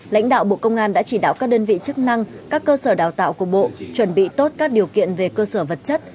lãnh đạo bộ công an đã chỉ đạo các đơn vị chức năng các cơ sở đào tạo của bộ chuẩn bị tốt các điều kiện về cơ sở vật chất